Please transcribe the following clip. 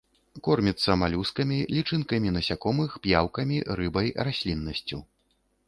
Корміцца малюскамі, лічынкамі насякомых, п'яўкамі, рыбай, расліннасцю.